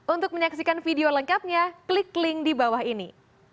untuk menyaksikan video lengkapnya klik link di bawah ini